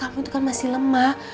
aku itu kan masih lemah